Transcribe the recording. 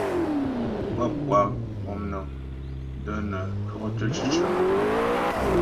Wáp kwa pɔmnəŋ də́ nə twɔktə́ cicə mə́twâ.